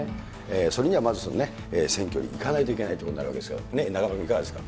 それにはまず、選挙に行かないといけないということになるわけですけれども、中丸君、いかがですか。